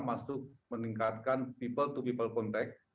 masuk meningkatkan people to people contact